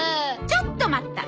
ちょっと待った。